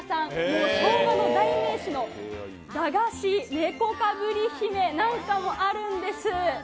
もう昭和の代名詞の駄菓子、猫かぶり姫なんかもあるんです。